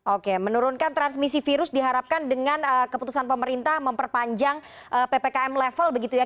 oke menurunkan transmisi virus diharapkan dengan keputusan pemerintah memperpanjang ppkm level begitu ya